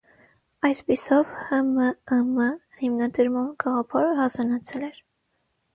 Այսպիսով, Հ.Մ.Ը.Մ. հիմնադրման գաղափարը հասունացել էր։